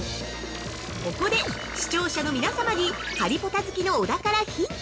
◆ここで視聴者の皆様に、ハリポタ好きの小田からヒント！